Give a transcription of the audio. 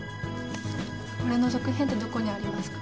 これの続編ってどこにありますか？